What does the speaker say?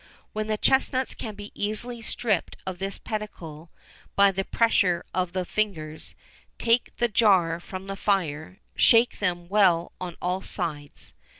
When the chesnuts can be easily stripped of this pellicle by the pressure of the fingers, take the jar from the fire; shake them well on all sides.